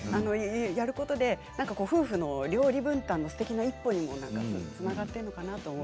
やることで夫婦の料理分担のすてきな一歩にもつながっていくのかなと。